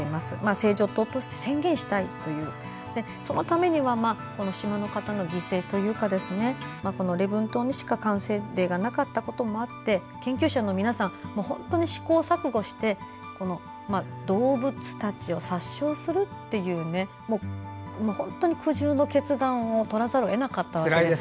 「清浄島」として宣言したいというそのためには島の方の犠牲というか礼文島にしか感染例がなかったこともあって研究者の皆さん本当に試行錯誤して動物たちを殺傷するという本当に苦渋の決断を取らざるを得なかったわけです。